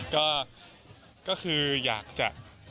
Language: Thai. ก็คืออยากจะ